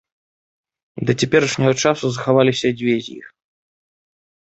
Да цяперашняга часу захаваліся дзве з іх.